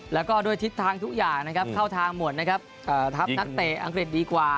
แล้วก็ด้วยทิศทางทุกอย่างนะครับเข้าทางหมดนะครับทัพนักเตะอังกฤษดีกว่า